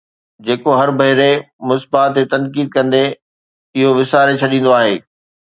جيڪو هر ڀيري مصباح تي تنقيد ڪندي اهو وساري ڇڏيندو آهي